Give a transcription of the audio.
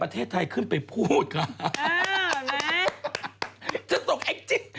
เธอตกไอ้จิ๊ก